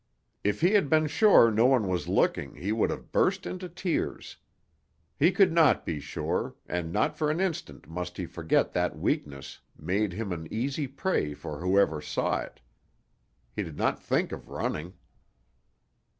If he had been sure no one was looking, he would have burst into tears. He could not be sure, and not for an instant must he forget that weakness made him an easy prey for whoever saw it. He did not think of running.